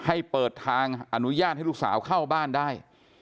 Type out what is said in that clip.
ให้เปิดทางอนุญาตให้ลูกสาวเข้าบ้านได้